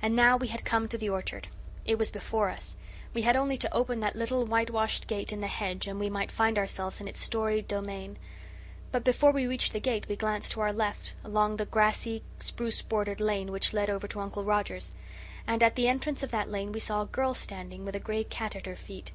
And now we had come to the orchard; it was before us; we had only to open that little whitewashed gate in the hedge and we might find ourselves in its storied domain. But before we reached the gate we glanced to our left, along the grassy, spruce bordered lane which led over to Uncle Roger's; and at the entrance of that lane we saw a girl standing, with a gray cat at her feet.